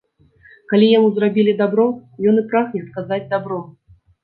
Калі яму зрабілі дабро, ён і прагне адказаць дабром.